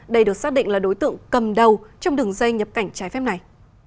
đây được xác định là đối tượng cầm đầu trong đường dây nhập cảnh trái phép này